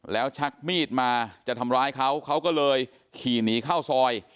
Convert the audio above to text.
แล้วชักมีดมาจะทำร้ายเขาเขาก็เลยขี่หนีเข้าซอย